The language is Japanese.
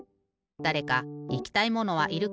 だれかいきたいものはいるか？